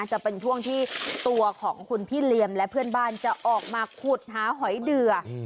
จะเป็นช่วงที่ตัวของคุณพี่เหลี่ยมและเพื่อนบ้านจะออกมาขุดหาหอยเดือ